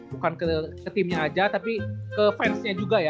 bukan ke team nya aja tapi ke fans nya juga ya